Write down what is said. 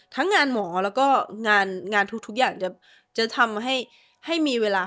ทั้งงานหมอแล้วก็งานทุกอย่างจะทำให้มีเวลา